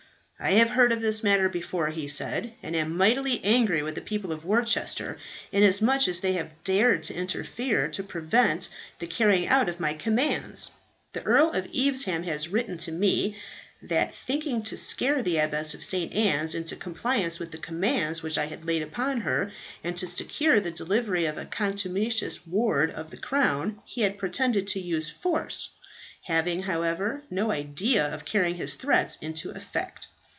"I have heard of this matter before," he said, "and am mightily angry with the people of Worcester, inasmuch as they have dared to interfere to prevent the carrying out of my commands. The Earl of Evesham has written to me, that thinking to scare the abbess of St. Anne's into a compliance with the commands which I had laid upon her, and to secure the delivery of a contumacious ward of the crown, he had pretended to use force, having, however, no idea of carrying his threats into effect.